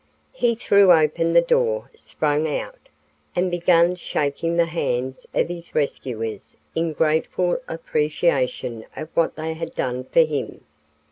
He threw open the door, sprang out, and began shaking the hands of his rescuers in grateful appreciation of what they had done for him.